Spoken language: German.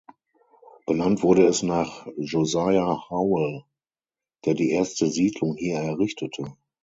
Benannt wurde es nach "Josiah Howell", der die erste Siedlung hier errichtete.